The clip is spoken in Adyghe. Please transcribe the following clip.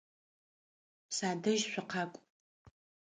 Садэжь шъукъакӏу!